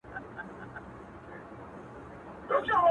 چي په سندرو کي چي پېغلې نوم په ورا وايي